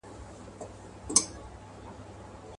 سي خوراک د توتکیو د مرغانو.